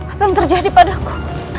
apa yang terjadi padaku